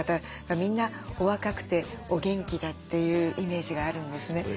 みんなお若くてお元気だっていうイメージがあるんですね。